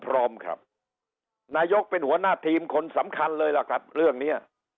พร้อมครับนายกเป็นหัวหน้าทีมคนสำคัญเลยล่ะครับเรื่องเนี้ย